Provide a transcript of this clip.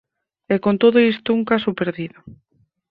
E con todo isto un caso perdido.